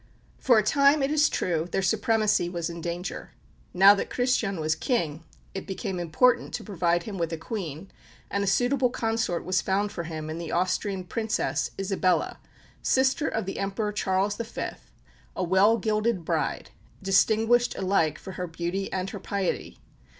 For a time, it is true, their supremacy was in danger. Now that Christian was King, it became important to provide him with a Queen, and a suitable consort was found for him in the Austrian Princess, Isabella, sister of the Emperor Charles V., a well gilded bride, distinguished alike for her beauty and her piety.